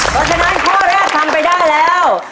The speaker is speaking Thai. เพราะฉะนั้นข้อแรกทำไปได้แล้ว